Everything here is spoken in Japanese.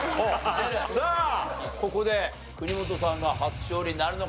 さあここで国本さんが初勝利なるのか？